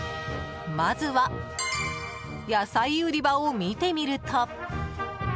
まずは野菜売り場を見てみると。